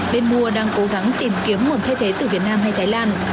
bên mua đang cố gắng tìm kiếm nguồn thay thế từ việt nam hay thái lan